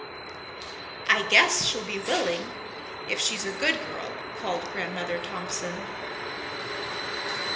"I guess she'll be willing if she's a good girl," called Grandmother Thompson.